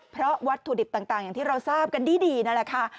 เพราะวัตถุดิบต่างอย่างที่เราทราบกันดีนั่นแหละค่ะ